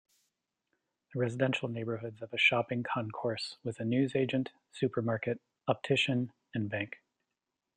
The residential neighborhoods have a shopping concourse with a newsagent, supermarket, optician, and bank.